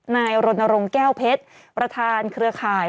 นายรณรงค์แก้วเพชรประธานเครือข่าย